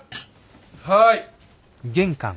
はい！